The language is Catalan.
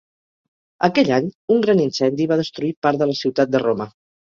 Aquell any, un gran incendi va destruir part de la ciutat de Roma.